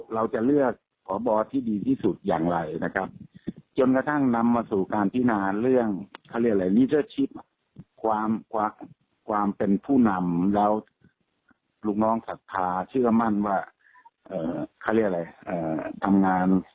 และได้รับการปกป้อง